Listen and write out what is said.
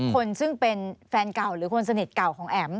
คนซึ่งเป็นแฟนเก่าหรือคนสนิทเก่าของแอ๋ม